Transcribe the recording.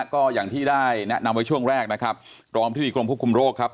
ก็อย่างที่ได้แนะนำไว้ช่วงแรกนะครับรอบที่ดิจกรมภูมิโครงโลกครับ